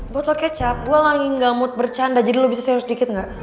botol kecap gue lagi enggak mood bercanda jadi lo bisa share sedikit enggak